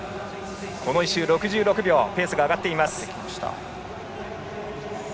１周６６秒とペースが上がっています。